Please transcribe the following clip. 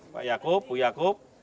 pak yaakub bu yaakub